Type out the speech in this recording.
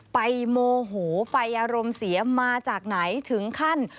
โมโหไปอารมณ์เสียมาจากไหนถึงขั้น